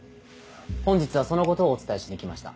本日はそのことをお伝えしに来ました。